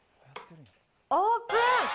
オープン！